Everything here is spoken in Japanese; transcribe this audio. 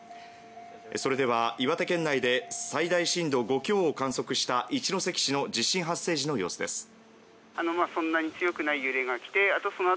それでは岩手県内で最大震度５強を観測した一関市の地震発生時の様子です。